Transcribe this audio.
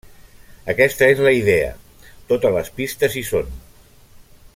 Aquesta és la idea; totes les pistes hi són.